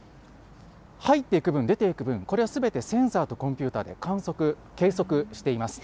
入っていく分、出ていく分、これはすべてセンサーとコンピューターで観測、計測しています。